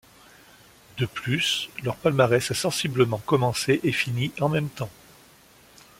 De plus, leur palmarès a sensiblement commencé et fini en même temps.